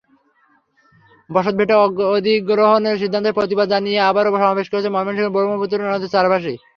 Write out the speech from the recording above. বসতভিটা অধিগ্রহণের সিদ্ধান্তের প্রতিবাদ জানিয়ে আবারও সমাবেশ করেছে ময়মনসিংহের ব্রহ্মপুত্র নদের চারবাসী।